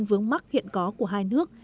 vướng mắt hiện có của hai nước